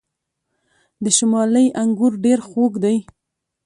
د شمالی انګور ډیر خوږ دي.